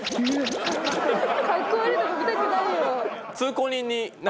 カッコ悪いとこ見たくないよ。